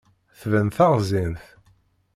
Tban taɣẓint.